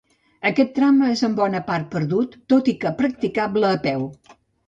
Aquest tram és en bona part perdut, tot i que practicable a peu.